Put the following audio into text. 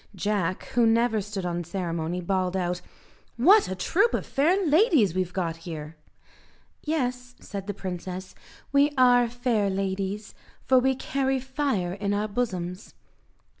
Jack, who never stood on ceremony, bawled out, "What a troop of fair ladies we've got here!" "Yes," said the princess, "we are fair ladies, for we carry fire in our bosoms."